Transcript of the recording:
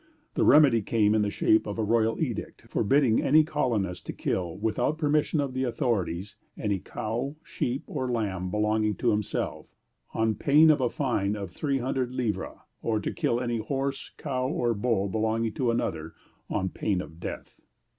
The remedy came in the shape of a royal edict forbidding any colonist to kill, without permission of the authorities, any cow, sheep, or lamb belonging to himself, on pain of a fine of three hundred livres; or to kill any horse, cow, or bull belonging to another, on pain of death.